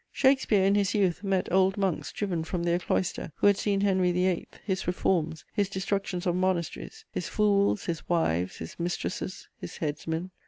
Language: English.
Shakespeare, in his youth, met old monks driven from their cloister, who had seen Henry VIII., his reforms, his destructions of monasteries, his "fools," his wives, his mistresses, his headsmen.